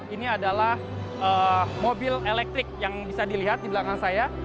ini adalah mobil elektrik yang bisa dilihat di belakang saya